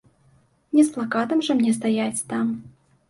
Не з плакатам жа мне стаяць там.